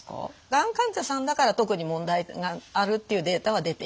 がん患者さんだから特に問題があるっていうデータは出ていないですね。